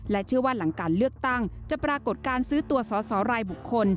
เชื่อว่าหลังการเลือกตั้งจะปรากฏการซื้อตัวสอสอรายบุคคล